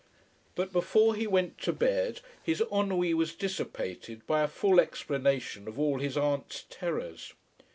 But before he went to bed his ennui was dissipated by a full explanation of all his aunt's terrors.